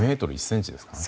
２ｍ１ｃｍですから。